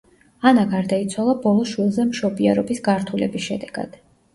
ანა გარდაიცვალა ბოლო შვილზე მშობიარობის გართულების შედეგად.